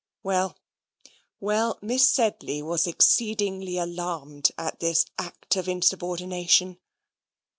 Well, well, Miss Sedley was exceedingly alarmed at this act of insubordination.